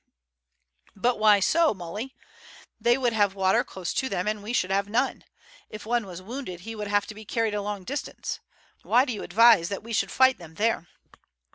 "But why so, Muley? They would have water close to them and we should have none. If one was wounded he would have to be carried a long distance. Why do you advise that we should fight them there?"